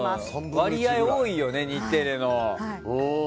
割合多いよね、日本テレビの。